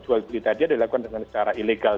jual beli tadi adalah dilakukan secara ilegal